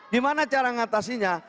gimana cara mengatasinya